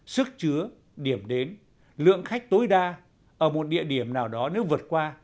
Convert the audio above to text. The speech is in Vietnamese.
sức chứa điểm đến lượng khách tối đa ở một địa điểm nào đó nếu vượt qua